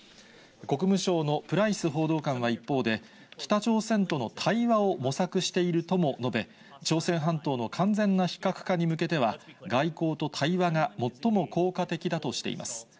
国務省のプライス報道官は一方で、北朝鮮との対話を模索しているとも述べ、朝鮮半島の完全な非核化に向けては、外交と対話が最も効果的だとしています。